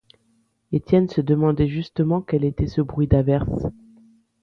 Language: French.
Étienne se demandait justement quel était ce bruit d’averse.